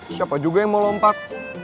siapa juga yang mau lompat